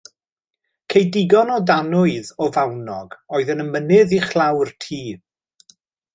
Ceid digon o danwydd o fawnog oedd yn y mynydd uwchlaw'r tŷ